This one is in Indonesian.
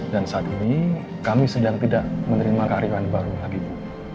dan saat ini kami sedang tidak menerima keharian baru lagi ibu